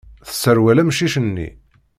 Tesserwel amcic-nni.